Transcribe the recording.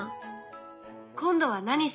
今度は何してるの？